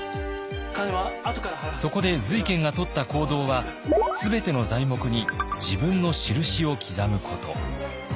そこで瑞賢がとった行動は全ての材木に自分の印を刻むこと。